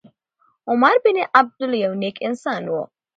عمر بن عبیدالله یو نېک انسان و.